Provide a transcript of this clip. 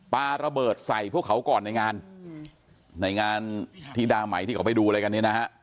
ปลาระเบิดใส่พวกเขาก่อนในงานในงานธิดาใหม่ที่เขาไปดูอะไรกันเนี่ยนะฮะ